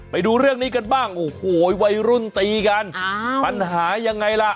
ไปดูเรื่องนี้กันบ้างโอ้โหวัยรุ่นตีกันปัญหายังไงล่ะ